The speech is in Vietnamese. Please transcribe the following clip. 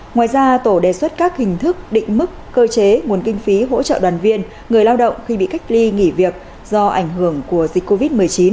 ngoài ra tổ đề xuất các hình thức định mức cơ chế nguồn kinh phí hỗ trợ đoàn viên người lao động khi bị cách ly nghỉ việc do ảnh hưởng của dịch covid một mươi chín